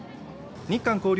日韓交流